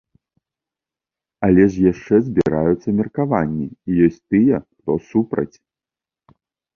Але ж яшчэ збіраюцца меркаванні, і ёсць тыя, хто супраць.